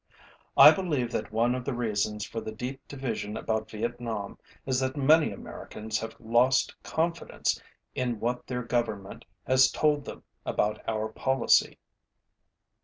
I believe that one of the reasons for the deep division about Vietnam is that many Americans have lost confidence in what their Government has told them about our policy.